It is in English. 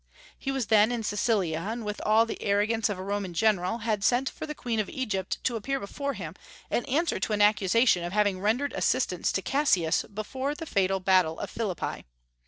He was then in Cilicia, and, with all the arrogance of a Roman general, had sent for the Queen of Egypt to appear before him and answer to an accusation of having rendered assistance to Cassius before the fatal battle of Philippi.